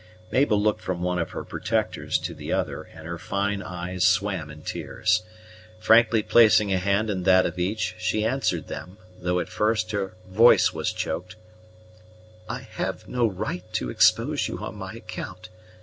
Mabel looked from one of her protectors to the other, and her fine eyes swam in tears. Frankly placing a hand in that of each, she answered them, though at first her voice was choked, "I have no right to expose you on my account.